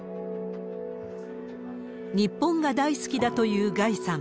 日本が大好きだというガイさん。